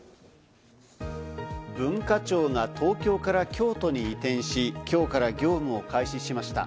文化庁が東京から京都に移転し、今日から業務を開始しました。